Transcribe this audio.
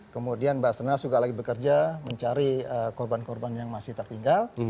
kemudian basna juga lagi bekerja mencari korban korban yang masih tertinggal